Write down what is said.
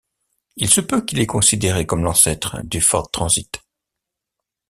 Il se peut qu'il est considéré comme l'ancêtre du Ford Transit.